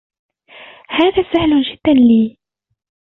هذا سَهلٌ جِداً لي